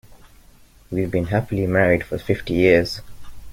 We've been happily married for fifty years.